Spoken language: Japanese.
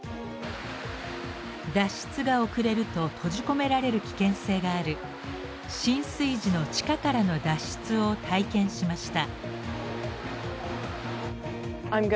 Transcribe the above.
脱出が遅れると閉じ込められる危険性がある浸水時の地下からの脱出を体験しました。